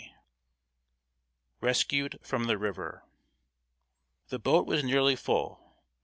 ] [Sidenote: RESCUED FROM THE RIVER.] The boat was nearly full.